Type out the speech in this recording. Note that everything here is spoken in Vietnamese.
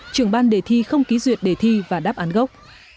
trưởng ban đề thi không ký duyệt đề thi và đáp án gốc